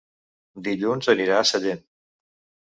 Dilluns anirà a Sellent.